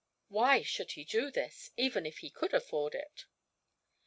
Why should he do this, even if he could afford it?